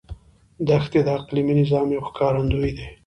دښتې د اقلیمي نظام یو ښکارندوی دی.